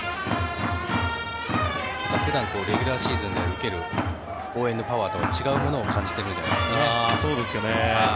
普段レギュラーシーズンで受ける応援のパワーとは違うものを感じているんじゃないですかね。